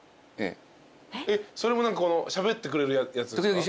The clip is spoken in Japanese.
えっそれも何かしゃべってくれるやつですか？